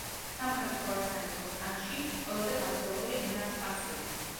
სამხრეთი ხორასანის ოსტანში ყველაზე გავრცელებული ენაა სპარსული.